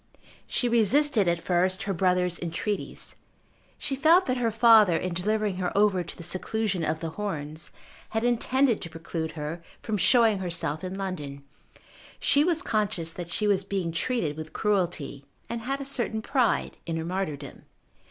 She resisted at first her brother's entreaties. She felt that her father in delivering her over to the seclusion of The Horns had intended to preclude her from showing herself in London. She was conscious that she was being treated with cruelty, and had a certain pride in her martyrdom.